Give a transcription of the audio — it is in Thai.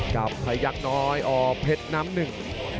กับพยักษ์น้อยอเพชรน้ำหนึ่ง